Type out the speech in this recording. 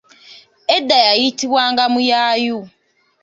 Edda yayitibwanga Muyaayu